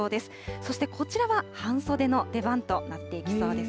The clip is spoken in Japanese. そしてこちらは半袖の出番となっていきそうです。